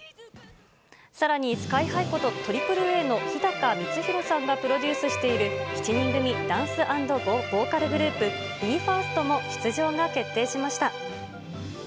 さらに、スカイハイこと、ＡＡＡの日高光啓さんがプロデュースしている７人組ダンス＆ボーカルグループ、ＢＥ：ＦＩＲＳＴも出場が決定しました。